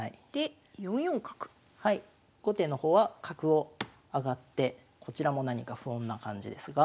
後手の方は角を上がってこちらも何か不穏な感じですが。